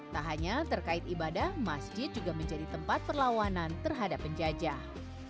tak hanya terkait ibadah masjid juga menjadi tempat perlawanan terhadap penjajah